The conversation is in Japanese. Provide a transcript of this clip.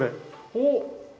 おっ！